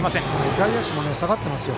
外野手も下がってますよ。